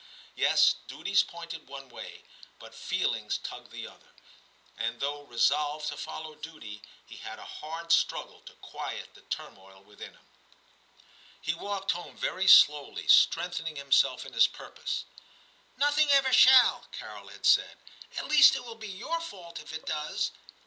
Yes, duties pointed one way, but feelings tugged the other; and though resolved to follow duty, he had a hard struggle to quiet the turmoil within him. He walked home very slowly, strengthening himself in his purpose. * Nothing ever shall,' Carol had said ;* at least it will be your fault if it does.